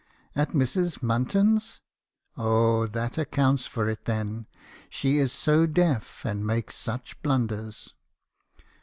"'At Mrs. Munton's? Oh, that accounts for it, then. She is so deaf, and makes such blunders.'